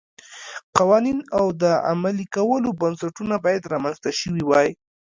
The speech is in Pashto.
قوانین او د عملي کولو بنسټونه باید رامنځته شوي وای